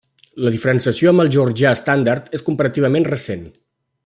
La diferenciació amb el georgià estàndard és comparativament recent.